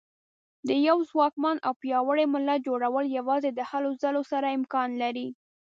د یوه ځواکمن او پیاوړي ملت جوړول یوازې د هلو ځلو سره امکان لري.